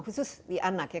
khusus di anak ya